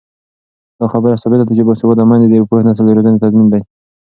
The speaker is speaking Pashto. دا خبره ثابته ده چې باسواده میندې د پوه نسل د روزنې تضمین دي.